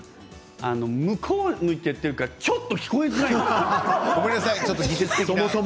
向こうを向いて言っているからちょっと聞こえづらい。